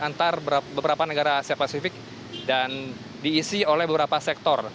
antara beberapa negara asia pasifik dan diisi oleh beberapa sektor